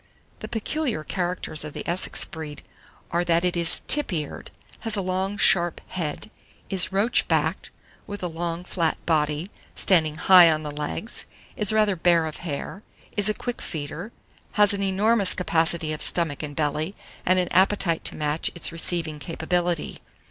The peculiar characters of the Essex breed are that it is tip eared, has a long sharp head, is roach backed, with a long flat body, standing high on the legs; is rather bare of hair, is a quick feeder, has an enormous capacity of stomach and belly, and an appetite to match its receiving capability.